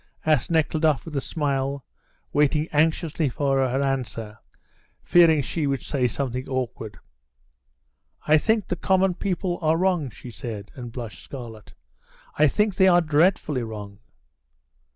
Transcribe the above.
asked Nekhludoff with a smile, waiting anxiously for her answer, fearing she would say something awkward. "I think the common people are wronged," she said, and blushed scarlet. "I think they are dreadfully wronged."